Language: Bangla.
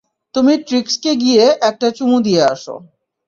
তুমি ট্রিক্সিকে গিয়ে একটা চুমো দিয়ে আসো।